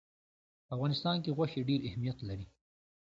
په افغانستان کې غوښې ډېر اهمیت لري.